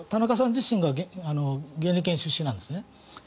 田中さん自身が原理研出身なんですね。